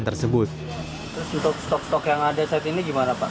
terus untuk stok stok yang ada saat ini gimana pak